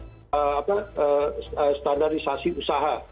standar usaha standarisasi usaha